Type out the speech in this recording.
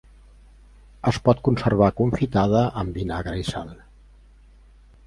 Es pot conservar confitada amb vinagre i sal.